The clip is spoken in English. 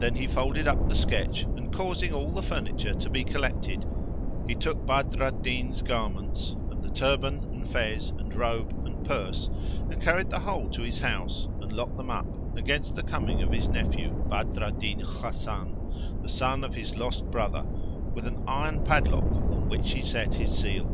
Then he folded up the sketch and, causing all the furniture to be collected, he took Badr al Din's garments and the turband and Fez and robe and purse, and carried the whole to his house and locked them up, against the coming of his nephew, Badr al Din Hasan, the son of his lost brother, with an iron padlock on which he set his seal.